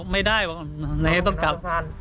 ไม่ได้ไหนต้องกลับ